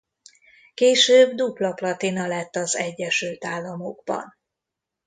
Később dupla platina lett az Egyesült Államokban.